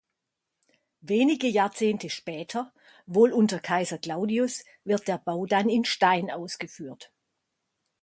Wenige Jahrzehnte später, wohl unter Kaiser Claudius, wird der Bau dann in Stein ausgeführt.